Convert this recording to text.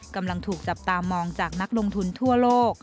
กำลังถูกจับตามองจากนักลงทุนทั่วโลก